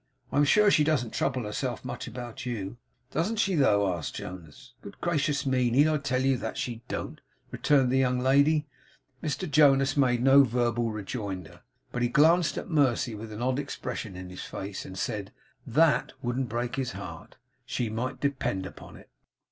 'I am sure she doesn't trouble herself much about you.' 'Don't she though?' asked Jonas. 'Good gracious me, need I tell you that she don't?' returned the young lady. Mr Jonas made no verbal rejoinder, but he glanced at Mercy with an odd expression in his face; and said THAT wouldn't break his heart, she might depend upon it.